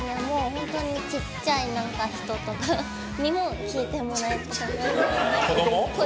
本当にちっちゃい人とかにも聴いてもらえたり。